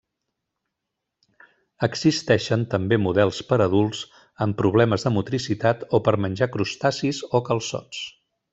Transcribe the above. Existeixen també models per adults amb problemes de motricitat o per menjar crustacis o calçots.